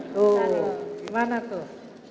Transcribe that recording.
tuh gimana tuh